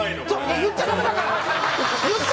言っちゃだめだから！